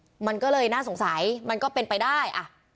มันก็เลยน่าสงสัยมันก็เป็นไปได้อ่ะ